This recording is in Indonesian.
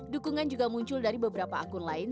dukungan juga muncul dari beberapa akun lain